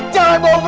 jangan bawa dia